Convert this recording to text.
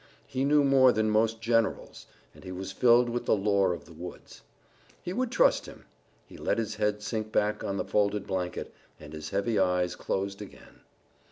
He knew more than most generals, and he was filled with the lore of the woods. He would trust him. He let his head sink back on the folded blanket, and his heavy eyes closed again.